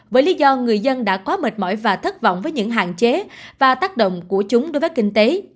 với lý do người dân đã quá mệt mỏi và thất vọng với những hạn chế và tác động của chúng đối với kinh tế